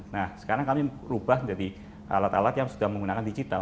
nah sekarang kami ubah menjadi alat alat yang sudah menggunakan digital